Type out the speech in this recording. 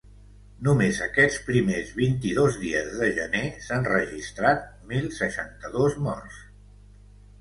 Només aquests primers vint-i-dos dies de gener, s’han registrat mil seixanta-dos morts.